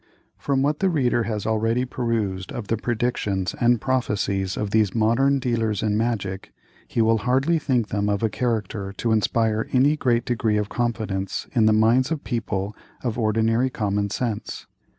From what the reader has already perused of the predictions and prophecies of these modern dealers in magic, he will hardly think them of a character to inspire any great degree of confidence in the minds of people of ordinary common sense.